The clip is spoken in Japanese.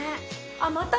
あっまた？